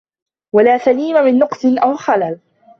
وَلَا سَلِيمَ مِنْ نَقْصٍ أَوْ خَلَلٍ